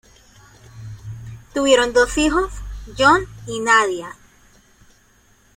Tuvieron dos hijos, John y Nadia.